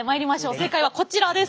正解はこちらです。